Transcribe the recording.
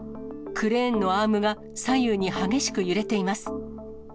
クレーンのアームが左右に激しく揺れています。